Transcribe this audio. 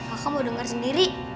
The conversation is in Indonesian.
aku mau denger sendiri